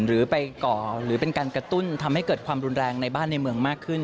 หรือไปก่อหรือเป็นการกระตุ้นทำให้เกิดความรุนแรงในบ้านในเมืองมากขึ้น